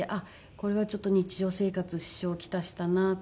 これはちょっと日常生活に支障を来したなと思い始めて。